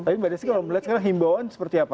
tapi pada saat melihat sekarang imbauan seperti apa